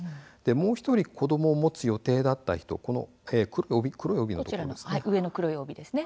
もう１人子どもを持つ予定だった人が黒い帯のところです。